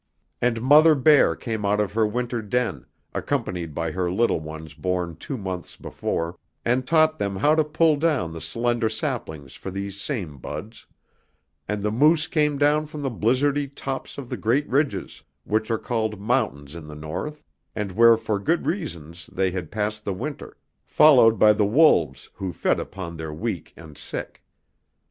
And Mother Bear came out of her winter den, accompanied by her little ones born two months before, and taught them how to pull down the slender saplings for these same buds; and the moose came down from the blizzardy tops of the great ridges, which are called mountains in the North, and where for good reasons they had passed the winter, followed by the wolves, who fed upon their weak and sick.